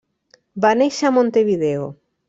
Va néixer a Montevideo.